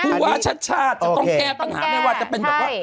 เอออันเนี้ย